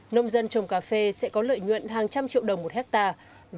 nông dân trồng cà phê sẽ có lợi nhuận hàng trăm triệu đồng một hectare